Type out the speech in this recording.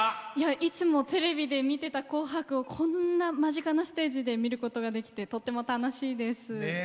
いつもテレビで見ていた紅白をこんな間近なステージで見ることができてとても楽しいです。